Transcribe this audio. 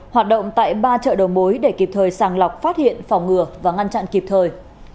hoạt động tại ba chợ đầu mối để kịp thời sàng lọc phát hiện phòng ngừa và ngăn chặn kịp thời